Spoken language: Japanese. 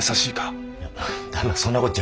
旦那そんなこっちゃ。